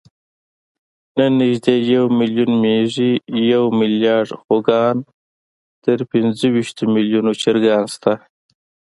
نن نږدې یو میلیون مېږې، یو میلیارد خوګان، تر پینځهویشتو میلیونو چرګان شته.